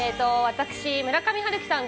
村上春樹さん